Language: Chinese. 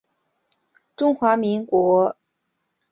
中华人民共和国建立初期仍属绥远省。